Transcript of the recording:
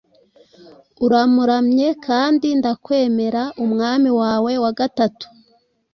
Uramuramye, kandi ndakwemera Umwami wawe wa gatatu